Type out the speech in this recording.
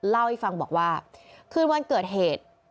เล่าให้ฟังบอกว่าคืนวันเกิดเหตุ